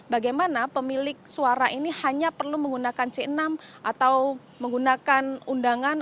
bagaimana pemilik suara ini hanya perlu menggunakan c enam atau menggunakan undangan